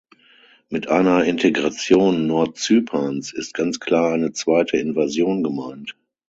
Mit einer Integration Nordzyperns ist ganz klar eine zweite Invasion gemeint.